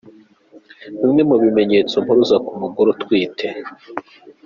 Bimwe mu bimenyetso mpuruza ku mugore utwite.